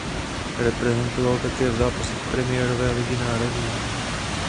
Reprezentoval také v zápasech premiérové Ligy národů.